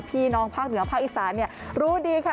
พี่น้องภาคเหนือภาคอีสานรู้ดีค่ะ